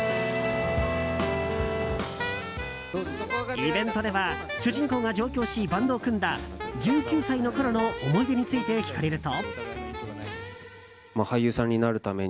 イベントでは主人公が上京しバンドを組んだ１９歳のころの思い出について聞かれると。